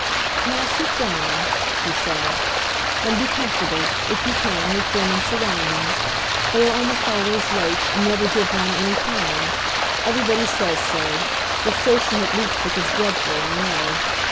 "Now sit down," she said, "and be comfortable if you can, with German surroundings. They are almost always late, and never give one any time. Everybody says so. The station at Leipsic is dreadful, I know.